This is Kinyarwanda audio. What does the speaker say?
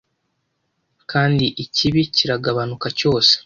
kandi ikibi kiragabanuka cyose